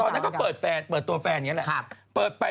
นั้นก็เปิดแฟนเปิดตัวแฟนอย่างนี้แหละ